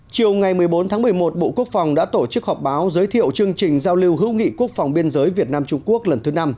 chiều ngày một mươi bốn tháng một mươi một bộ quốc phòng đã tổ chức họp báo giới thiệu chương trình giao lưu hữu nghị quốc phòng biên giới việt nam trung quốc lần thứ năm